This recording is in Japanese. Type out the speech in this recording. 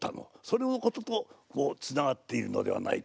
それのこととつながっているのではないかな？